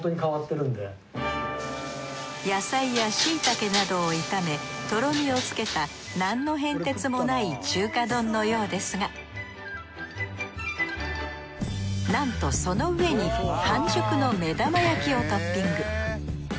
野菜や椎茸などを炒めとろみをつけた何の変哲もない中華丼のようですがなんとその上に半熟の目玉焼きをトッピング。